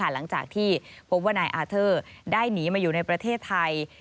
หลังจากที่พบว่านายอาเทอร์ได้หนีมาอยู่ในประเทศไทย